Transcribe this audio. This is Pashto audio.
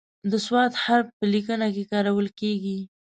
د "ص" حرف په لیکنه کې کارول کیږي.